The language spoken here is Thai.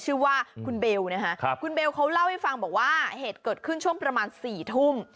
ชื่อว่าคุณเบลนะฮะคุณเบลเขาเล่าให้ฟังบอกว่าเหตุเกิดขึ้นช่วงประมาณ๔ทุ่ม